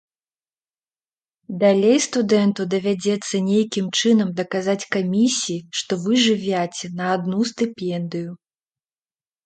Далей студэнту давядзецца нейкім чынам даказаць камісіі, што вы жывяце на адну стыпендыю.